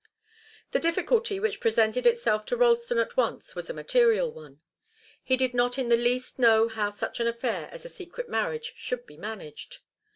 The difficulty which presented itself to Ralston at once was a material one. He did not in the least know how such an affair as a secret marriage should be managed.